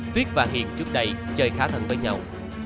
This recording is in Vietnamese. tuyết và hiền trước đây chơi khá thân với nhau